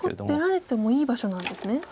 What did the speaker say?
そこ出られてもいい場所なんですね。